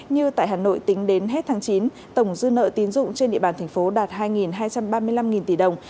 như tại hà nội tính đến hết tháng chín tổng dư nợ tiến dụng trên địa bàn thành phố đạt hai hai trăm ba mươi năm tỷ đồng